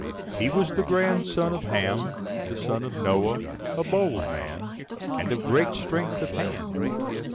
He was the grandson of Ham, the son of Noah, a bold man, and of great strength of hand.